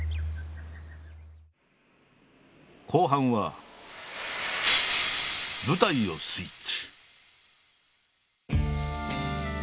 後半は舞台をスイッチ。